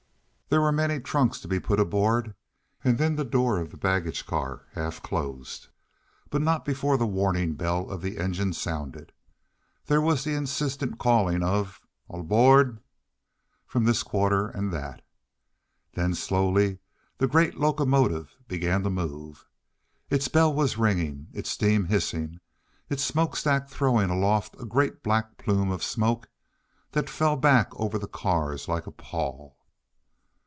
There were many trunks to be put aboard, and then the door of the baggage car half closed, but not before the warning bell of the engine sounded. There was the insistent calling of "all aboard" from this quarter and that; then slowly the great locomotive began to move. Its bell was ringing, its steam hissing, its smoke stack throwing aloft a great black plume of smoke that fell back over the cars like a pall.